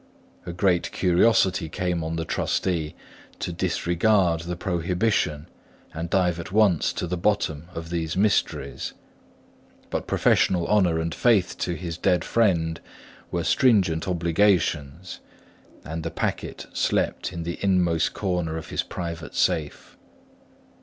A great curiosity came on the trustee, to disregard the prohibition and dive at once to the bottom of these mysteries; but professional honour and faith to his dead friend were stringent obligations; and the packet slept in the inmost corner of his private safe.